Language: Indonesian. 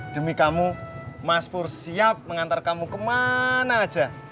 demi kamu mas pur siap mengantar kamu kemana aja